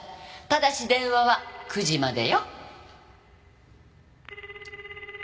ただし電話は９時までよ。